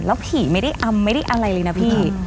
แล้วผีไม่ได้อำไม่ได้อะไรเลยนะพี่